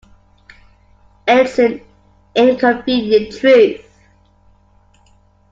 It's an inconvenient truth.